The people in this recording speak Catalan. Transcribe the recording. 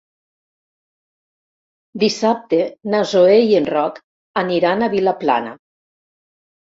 Dissabte na Zoè i en Roc aniran a Vilaplana.